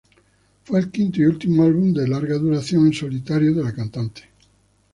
Fue el quinto y último álbum de larga duración en solitario de la cantante.